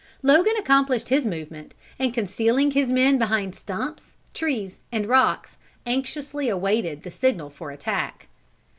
Logan accomplished his movement, and concealing his men behind stumps, trees, and rocks, anxiously awaited the signal for attack.